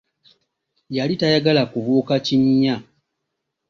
Yali tayagala kubuuka kinnya.